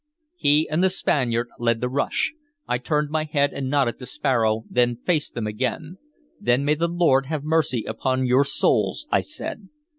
He and the Spaniard led the rush. I turned my head and nodded to Sparrow, then faced them again. "Then may the Lord have mercy upon your souls!" I said.